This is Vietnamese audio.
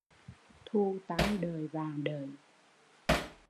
Thù tam đợi, vạn đợi